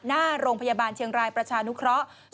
หน้าโรงพยาบาลเชียงรายประชานุเคราะห์